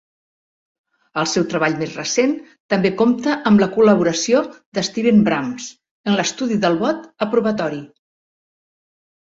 El seu treball més recent també compta amb la col·laboració de Steven Brams en l'estudi del vot aprovatori.